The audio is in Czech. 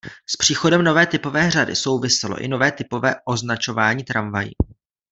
S příchodem nové typové řady souviselo i nové typové označování tramvají.